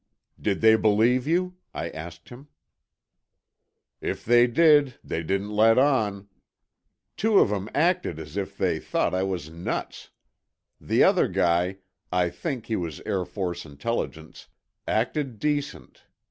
"Did they believe you?" I asked him. "If they did, they didn't let on. Two of 'em acted as if they thought I was nuts. The other guy I think he was Air Force Intelligence—acted decent.